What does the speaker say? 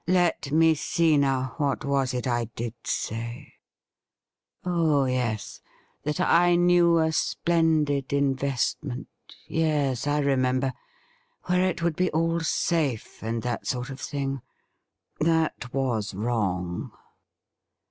' Let me see now — what was it I did say ? Oh yes : that I knew a splendid investment — ^yes, I remember — ^where it would be all safe and that sort of thing. That was wrong.'